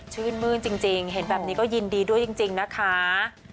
ชื่นมื้นจริงเห็นแบบนี้ก็ยินดีด้วยจริงนะคะ